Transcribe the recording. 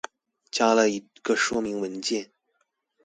加了一個說明文件